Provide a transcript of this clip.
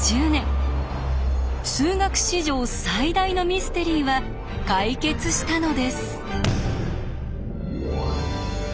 数学史上最大のミステリーは解決したのです。